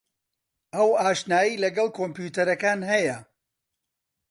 ئەو ئاشنایی لەگەڵ کۆمپیوتەرەکان ھەیە.